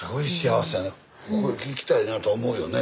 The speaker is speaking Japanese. ここへ来たいなと思うよね。